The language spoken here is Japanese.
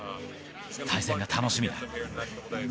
対戦が楽しみだ。